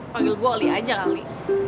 panggil gue oli aja kali